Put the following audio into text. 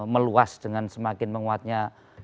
meluas dengan semakin menguatnya